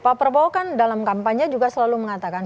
pak prabowo kan dalam kampanye juga selalu mengatakan